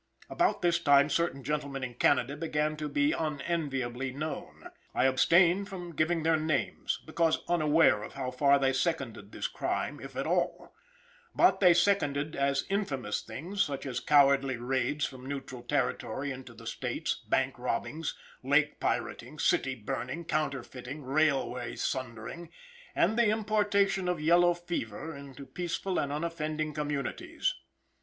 About this time certain gentlemen in Canada began to be unenviably known. I abstain from giving their names, because unaware of how far they seconded this crime, if at all. But they seconded as infamous things, such as cowardly raids from neutral territory into the states, bank robbings, lake pirating, city burning, counterfeiting, railway sundering, and the importation of yellow fever into peaceful and unoffending communities.